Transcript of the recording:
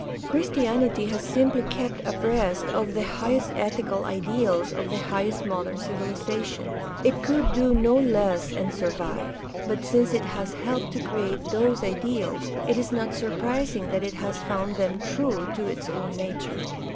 Christianity has simply kept abreast of the highest ethical ideals of the highest modern civilization. It could do no less and survive. But since it has helped to create those ideals, it is not surprising that it has found them true to its own nature.